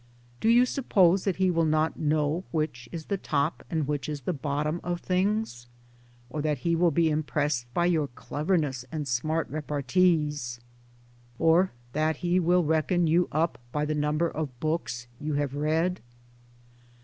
Do you suppose that he will not know which is the top and which is the bottom of things, or that he will be impressed by your cleverness and smart repartees, or that he will reckon you up by the number of books you have read